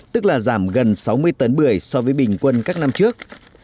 tức là giảm gần sáu mươi tấn bưởi so với bình quân các năm trước